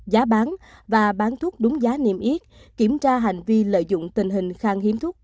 giá bán và bán thuốc đúng giá niêm yết kiểm tra hành vi lợi dụng tình hình khang hiếm thuốc